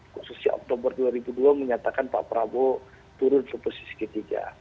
khususnya oktober dua ribu dua menyatakan pak prabowo turun ke posisi ketiga